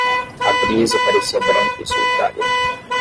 A brisa parecia branca e solitária.